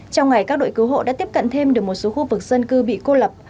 trong ngày các đội cứu hộ đã tiếp cận thêm được một số khu vực dân cư bị cô lập